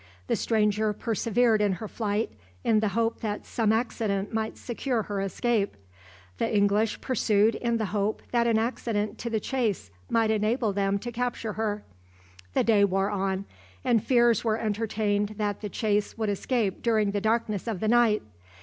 The stranger persevered in her flight, in the hope that some accident might secure her escape. The English pursued in the hope that an accident to the chase might enable them to capture her. The day wore on, and fears were entertained that the chase would escape during the darkness of the night.